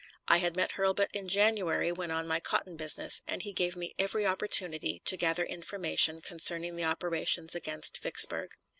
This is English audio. I had met Hurlbut in January, when on my cotton business, and he gave me every opportunity to gather information concerning the operations against Vicksburg.